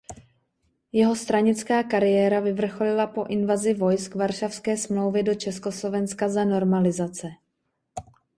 Jeho stranická kariéra vyvrcholila po invazi vojsk Varšavské smlouvy do Československa za normalizace.